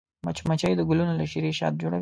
مچمچۍ د ګلونو له شيرې شات جوړوي